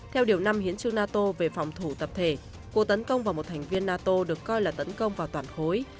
theo điều năm hiến trương nato về phòng thủ tập thể cuộc tấn công vào một thành viên nato được coi là tấn công vào toàn khối